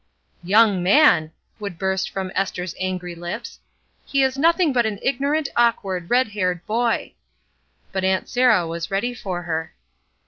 ''Young man!" would burst from Esther's angry lips. ''He is nothing but an ignorant, awkward, red haired boy." But Aunt Sarah was ready for her.